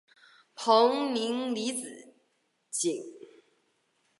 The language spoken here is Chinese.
彭宁离子阱。